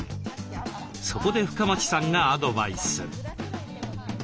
そこで深町さんがアドバイス。